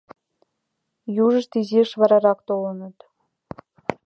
Южышт изиш варарак толыныт.